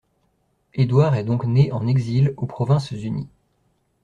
Édouard est donc né en exil aux Provinces-Unies.